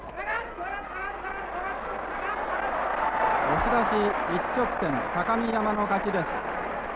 押し出し、一直線高見山の勝ちです。